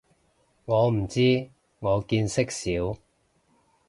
我唔知，我見識少